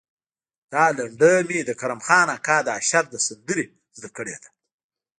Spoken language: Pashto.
دا لنډۍ مې د کرم خان اکا د اشر له سندرې زده کړې ده.